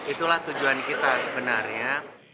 itulah tujuan kita sebenarnya